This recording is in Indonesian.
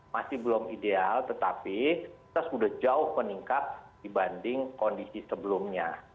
masih belum ideal tetapi kita sudah jauh meningkat dibanding kondisi sebelumnya